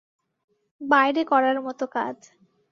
বাইরে করার মতো কাজ।